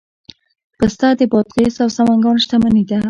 پسته د بادغیس او سمنګان شتمني ده.